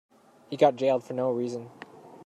He got jailed for no reason.